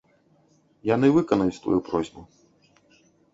Яны выканаюць тваю просьбу.